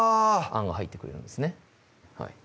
あんが入ってくれるんですね